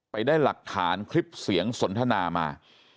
ไปได้หลักฐานคลิปเสียงสนทนามา